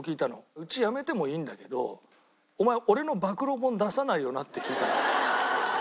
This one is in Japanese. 「うち辞めてもいいんだけどお前俺の暴露本出さないよな？」って聞いたのよ。